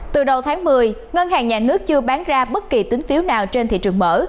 từ đầu tháng một mươi ngân hàng nhà nước chưa bán ra bất kỳ tính phiếu nào trên thị trường mở